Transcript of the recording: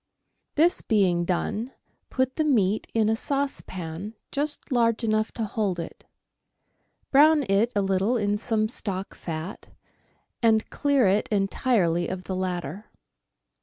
This being done, put the meat in a saucepan just large enough to hold it. Brown it a little in some stock fat, and clear it entirely of the latter.